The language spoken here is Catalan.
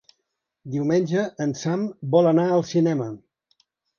Diumenge en Sam vol anar al cinema.